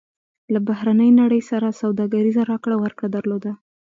له بهرنۍ نړۍ سره سوداګریزه راکړه ورکړه درلوده.